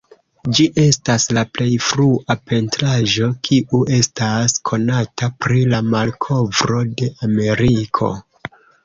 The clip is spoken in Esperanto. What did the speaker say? Ĝi estas la plej frua pentraĵo kiu estas konata pri la malkovro de Ameriko.